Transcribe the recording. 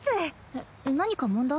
えっ何か問題？